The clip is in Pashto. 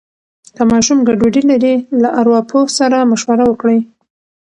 که ماشوم ګډوډي لري، له ارواپوه سره مشوره وکړئ.